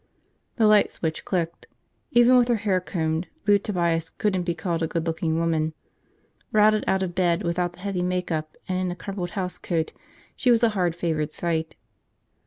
The light switch clicked. Even with her hair combed, Lou Tobias couldn't be called a good looking woman. Routed out of bed, without the heavy make up and in a crumpled housecoat, she was a hard favored sight.